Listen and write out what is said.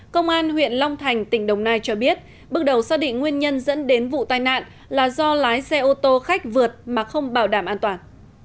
công an huyện long thành tỉnh đồng nai cho biết bước đầu xác định nguyên nhân dẫn đến vụ tai nạn là do lái xe ô tô khách vượt mà không bảo đảm an toàn